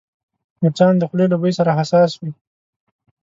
مچان د خولې له بوی سره حساس وي